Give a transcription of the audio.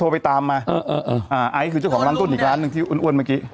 โทรไปตามมาเออเออเอออ่าไอซ์คือเจ้าของร้านกุ้งอีกร้านหนึ่งที่อ้วนอ้วนเมื่อกี้